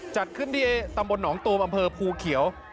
จัดขึ้นที่ตำบลหนองตูมอำเภอภูเขียว